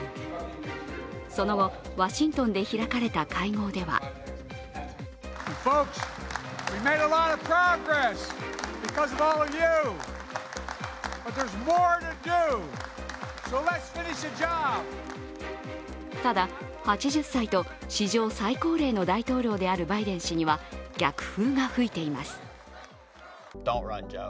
その後、ワシントンで開かれた会合ではただ、８０歳と史上最高齢の大統領であるバイデン氏には逆風が吹いています。